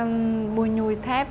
môi nhui thép